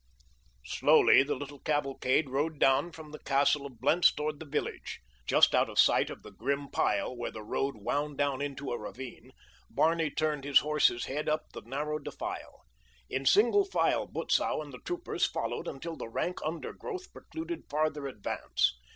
Slowly the little cavalcade rode down from the castle of Blentz toward the village. Just out of sight of the grim pile where the road wound down into a ravine Barney turned his horse's head up the narrow defile. In single file Butzow and the troopers followed until the rank undergrowth precluded farther advance.